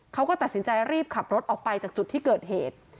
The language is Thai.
เขาก็ตัดสินใจรีบขับรถออกไปจากจุดที่เกิดเหตุ